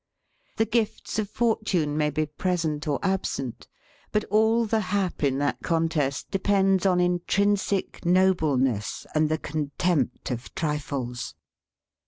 The gifts of fortune may be present or absent, but all the hap in that contest de pends on intrinsic nobleness and the contempt of trifles.